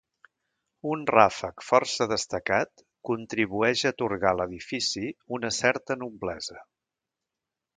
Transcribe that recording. Un ràfec força destacat contribueix a atorgar a l'edifici una certa noblesa.